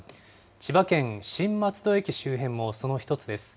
千葉県新松戸駅周辺もその１つです。